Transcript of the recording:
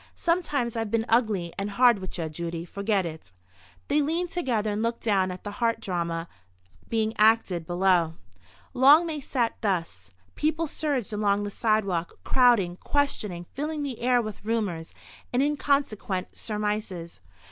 Sometimes I've been ugly and hard with ye, Judy. Forget it." They leaned together, and looked down at the heart drama being acted below. Long they sat thus. People surged along the sidewalk, crowding, questioning, filling the air with rumours, and inconsequent surmises. Mrs.